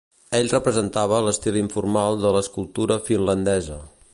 Ell representava l'estil informal de l'escultura finlandesa.